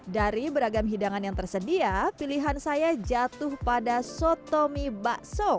dari beragam hidangan yang tersedia pilihan saya jatuh pada sotomi bakso